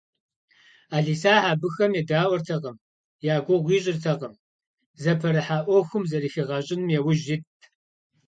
Ӏэлисахь абыхэм едаӏуэртэкъым, я гугъу ищӏыртэкъым, зыпэрыхьа ӏуэхум зэрыхигъэщӏыным яужь итт.